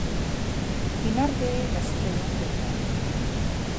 Un ar ddeg o straeon byrion.